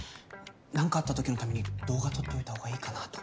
何かあったときのために動画撮っておいたほうがいいかなと。